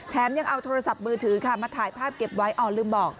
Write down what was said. ยังเอาโทรศัพท์มือถือค่ะมาถ่ายภาพเก็บไว้อ๋อลืมบอก